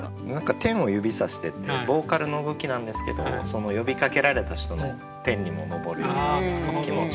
「天を指さして」っていうボーカルの動きなんですけど呼びかけられた人の天にも昇るような気持ちも。